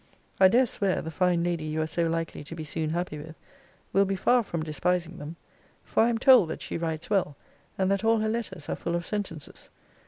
I dare swear, the fine lady you are so likely to be soon happy with, will be far from despising them; for I am told, that she writes well, and that all her letters are full of sentences.